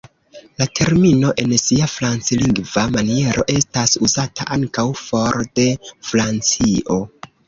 La termino en sia franclingva maniero estas uzata ankaŭ for de Francio.